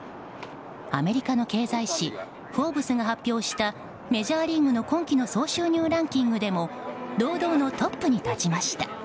アメリカの経済紙「フォーブス」が発表したメジャーリーグの今季の総収入ランキングでも堂々のトップに立ちました。